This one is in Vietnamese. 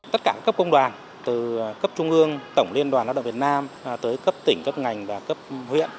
tất cả các cấp công đoàn từ cấp trung ương tổng liên đoàn lao động việt nam tới cấp tỉnh cấp ngành và cấp huyện